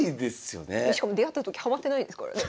しかも出会った時ハマってないですからね。